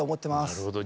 なるほど。